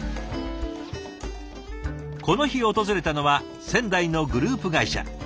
この日訪れたのは仙台のグループ会社。